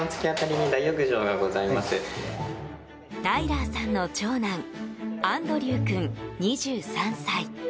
タイラーさんの長男アンドリュウ君、２３歳。